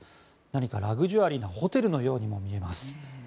何かラグジュアリーなホテルのようにも見えます。